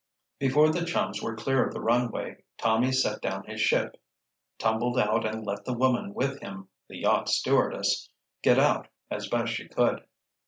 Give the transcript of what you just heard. Before the chums were clear of the runway, Tommy set down his ship, tumbled out and let the woman with him—the yacht stewardess—get out as best she could.